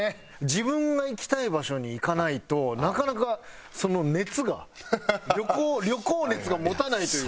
自分が行きたい場所に行かないとなかなかその熱が旅行熱が持たないというか。